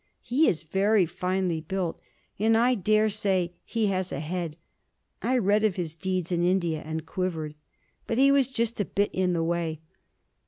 He is very finely built; and I dare say he has a head. I read of his deeds in India and quivered. But he was just a bit in the way.